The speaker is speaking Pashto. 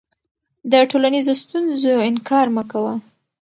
د ټولنیزو ستونزو انکار مه کوه.